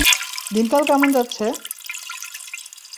দিনকাল কেমন যাচ্ছে?